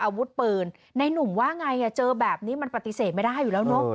อาวุธปืนในหนุ่มว่าไงเจอแบบนี้มันปฏิเสธไม่ได้อยู่แล้วเนอะ